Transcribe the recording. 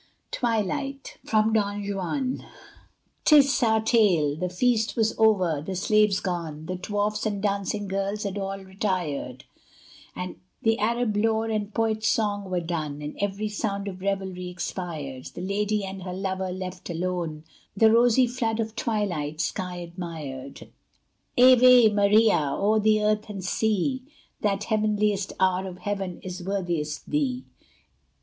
TWILIGHT From 'Don Juan' T' our tale. The feast was over, the slaves gone, The dwarfs and dancing girls had all retired; The Arab lore and poet's song were done, And every sound of revelry expired; The lady and her lover, left alone, The rosy flood of twilight sky admired; Ave Maria! o'er the earth and sea, That heavenliest hour of Heaven is worthiest thee!